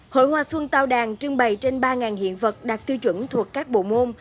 hội hoa xuân tao đàn trưng bày trên ba hiện vật đạt tiêu chuẩn thuộc các bộ môn